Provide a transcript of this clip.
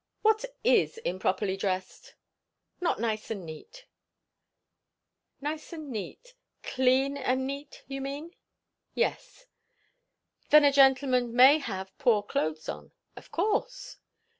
"What is 'improperly dressed.'" "Not nice and neat." "Nice and neat clean and neat, you mean?" "Yes." "Then a gentleman may have poor clothes on?" "Of course."